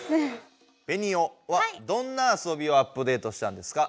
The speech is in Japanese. ベニオはどんな遊びをアップデートしたんですか？